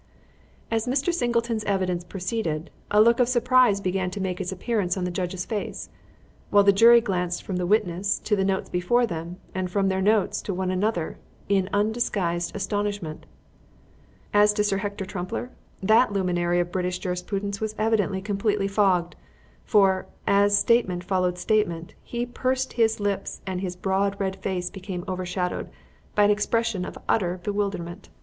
As Mr. Singleton's evidence proceeded, a look of surprise began to make its appearance on the judge's face, while the jury glanced from the witness to the notes before them and from their notes to one another in undisguised astonishment. As to Sir Hector Trumpler, that luminary of British jurisprudence was evidently completely fogged; for, as statement followed statement, he pursed up his lips and his broad, red face became overshadowed by an expression of utter bewilderment.